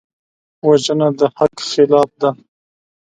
وژنه د حق خلاف ده